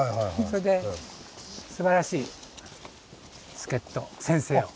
それですばらしい助っ人先生を。